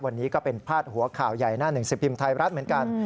วันนี้ก็เป็นพาดหัวข่าวใหญ่หน้าหนึ่งสิบพิมพ์ไทยรัฐเหมือนกัน